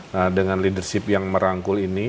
nah dengan leadership yang merangkul ini